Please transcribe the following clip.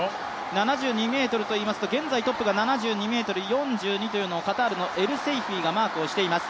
７２ｍといいますと７２ｍ４２というのをカタールのエルセイフィがマークしています。